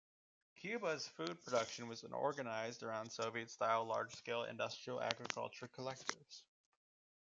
Cuba's food production was organized around Soviet-style, large-scale, industrial agricultural collectives.